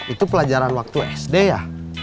itu pelajaran waktu sd ya